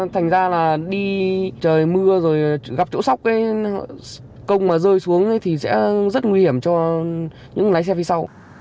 thành ra đi trời mưa rồi gặp chỗ sóc công rơi xuống thì sẽ rất nguy hiểm cho những lái xe phía sau